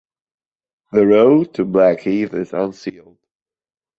The road to Blackheath is unsealed.